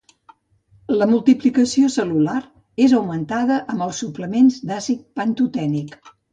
La multiplicació cel·lular es augmentada amb els suplements d'àcid pantotènic